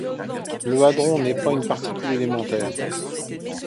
Un hadron n'est pas une particule élémentaire.